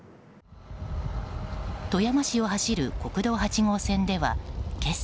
富山市を走る国道８号線では今朝。